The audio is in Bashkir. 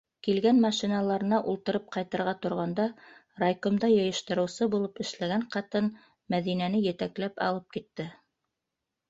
Килгән машиналарына ултырып ҡайтырға торғанда, райкомда йыйыштырыусы булып эшләгән ҡатын Мәҙинәне етәкләп алып китте: